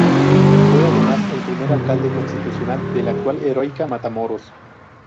Fue además el primer alcalde constitucional de la actual Heroica Matamoros.